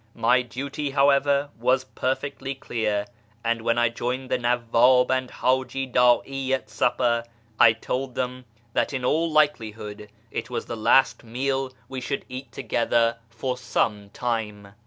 My duty, however, jwas perfectly clear ; and when I joined the Nawwab and Haji Da'i at supper, I told them that in all likelihood it was the last meal we should eat to(?ether for some time.